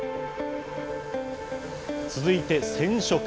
続いて染色。